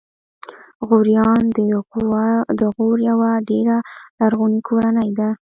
غوریان د غور یوه ډېره لرغونې کورنۍ ده.